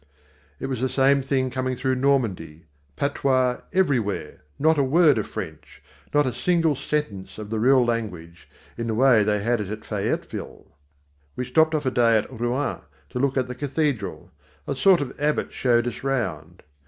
It was the same thing coming through Normandy. Patois, everywhere, not a word of French not a single sentence of the real language, in the way they had it at Fayetteville. We stopped off a day at Rouen to look at the cathedral. A sort of abbot showed us round.